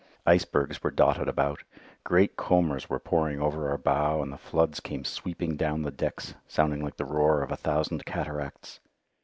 Icebergs were dotted about. Great combers were pouring over our bow and the floods came sweeping down the decks sounding like the roar of a thousand cataracts.